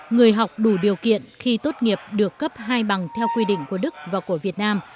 người học đủ điều kiện khi tốt nghiệp được cấp hai bằng theo quy định của đức và của việt nam